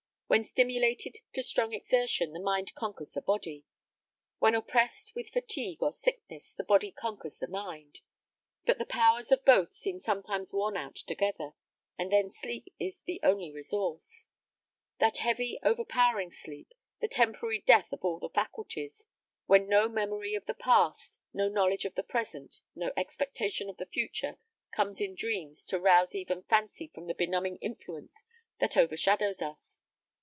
When stimulated to strong exertion, the mind conquers the body; when oppressed with fatigue or sickness, the body conquers the mind; but the powers of both seem sometimes worn out together, and then sleep is the only resource: that heavy, overpowering sleep, the temporary death of all the faculties; when no memory of the past, no knowledge of the present, no expectation of the future, comes in dreams to rouse even fancy from the benumbing influence that overshadows us.